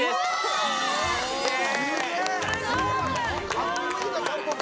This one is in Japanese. かっこいいなタンポポ！